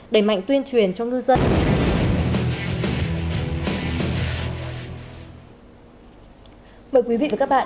đẩy mạnh tuyên truyền cho ngư dân